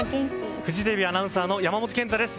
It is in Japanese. フジテレビアナウンサーの山本賢太です。